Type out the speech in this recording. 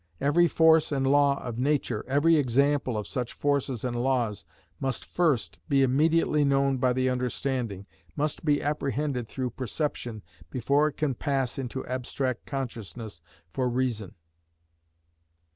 Every force and law of nature, every example of such forces and laws, must first be immediately known by the understanding, must be apprehended through perception before it can pass into abstract consciousness for reason.